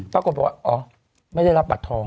ปรากฏว่าอ๋อไม่ได้รับบัตรทอง